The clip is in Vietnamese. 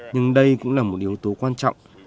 nhưng đây cũng là một yếu tố quan trọng